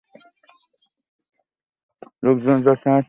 লোকজনের যাতায়াত থাকলে পায়ে চলার পথ থাকত।